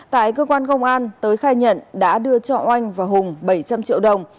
tại cơ quan công an tới khai nhận đã đưa cho oanh và hùng bảy trăm linh triệu đồng